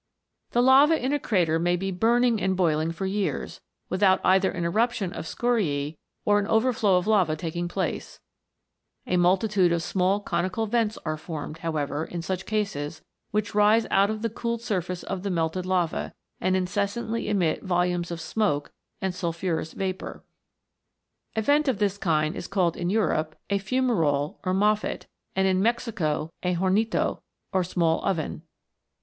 The lava in a crater may be burning and boiling for years, without either an eruption of scoriae or an overflow of lava taking place ; a multitude of small conical vents are formed, however, in such cases, which rise out of the cooled surface of the melted lava, and incessantly emit volumes of smoke and sulphurous vapour. A vent of this kind is called in Europe a Fumerole or Mqffet, and in Mexico a Hornito, or small oven.